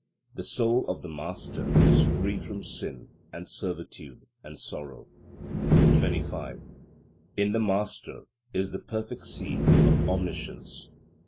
The Soul of the Master is free from sin and servitude and sorrow. 25. In the Master is the perfect seed of Omniscience.